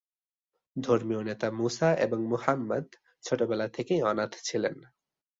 ধর্মীয় নেতা মুসা এবং মুহাম্মাদ ছোটবেলা থেকেই অনাথ ছিলেন।